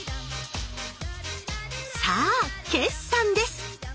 さあ決算です！